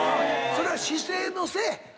それは姿勢のせい？